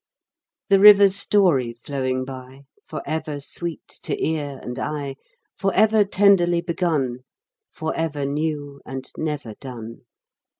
The river's story flowing by, Forever sweet to ear and eye, Forever tenderly begun Forever new and never done.